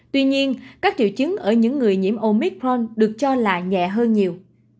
tuy nhiên các triệu chứng ở những người nhiễm omicron được cho là nhẹ hơn nhiều